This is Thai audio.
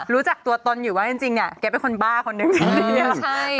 รู้จักตัวตนอยู่ว่าจริงเกษเป็นคนบ้าคนเดียว